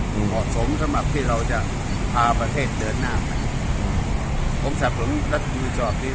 เหมาะสมสำหรับที่เราจะพาประเทศเดินหน้าไป